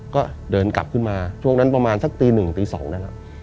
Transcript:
ก็เดินกลับขึ้นมาช่วงนั้นประมาณสักตีหนึ่งตี๒นะครับ